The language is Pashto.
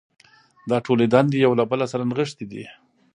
دا ټولې دندې یو له بل سره نغښتې دي.